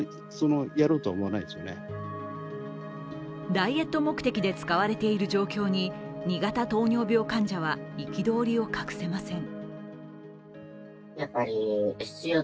ダイエット目的で使われている状況に２型糖尿病患者は憤りを隠せません。